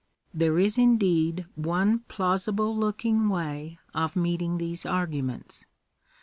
There is indeed one plausible looking way of meeting these arguments.